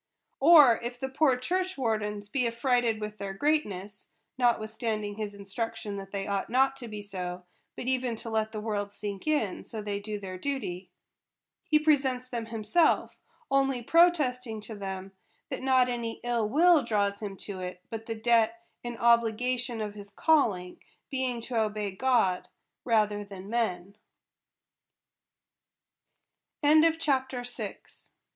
Or if the poor church wardens be affrighted with their greatness (notwith standing his instruction that they ought not to be so, but even to let the world sink, so they do their duty), he presents them himself; only protesting to them, that not any ill will draws him to it, but the debt and obligation of his calling, being to obey God rather than men. CHAPTER VII.